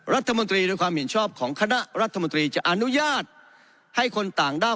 รัฐมนตรีโดยความเห็นชอบของคณะรัฐมนตรีจะอนุญาตให้คนต่างด้าว